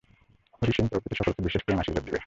হরি সিং প্রভৃতি সকলকে বিশেষ প্রেম আশীর্বাদ দিবে।